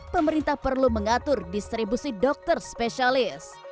pemerintah perlu mengatur distribusi dokter spesialis